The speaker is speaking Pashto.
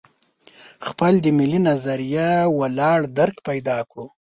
خپل د ملي نظریه ولاړ درک پیدا کړو.